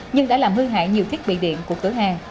nhưng đã làm hư hại nhiều thiết bị điện của cửa hàng